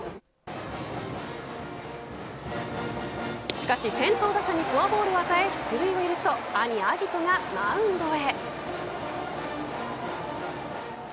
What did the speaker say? しかし、先頭打者にフォアボールを与え出塁を許すと兄、晶音がマウンドへ。